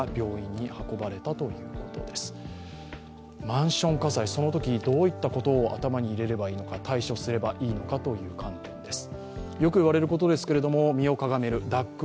マンション火災、そのときどういったことを頭に入れればいいのか、対処すればいいのかという観点です。